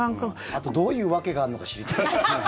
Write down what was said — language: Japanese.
あとどういう訳があるのか知りたい。